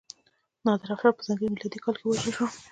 نادرافشار په ځانګړي میلادي کال کې ووژل شو.